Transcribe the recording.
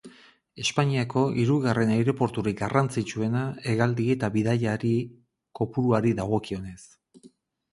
Espainiako hirugarren aireporturik garrantzitsuena hegaldi eta bidaiari kopuruari dagokionez.